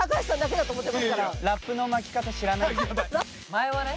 前はね。